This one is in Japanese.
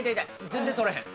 全然とれへん